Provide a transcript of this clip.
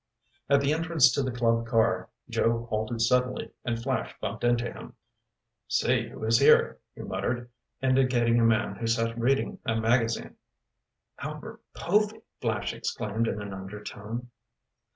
At the entrance to the club car, Joe halted suddenly and Flash bumped into him. "See who is here," he muttered, indicating a man who sat reading a magazine. "Albert Povy!" Flash exclaimed in an undertone.